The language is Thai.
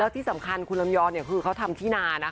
ที่สำคัญคุณลำยอนคือเขาทำที่นานะคะ